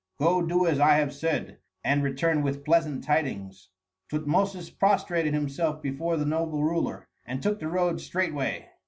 Go, do as I have said, and return with pleasant tidings." Tutmosis prostrated himself before the noble ruler, and took the road straightway.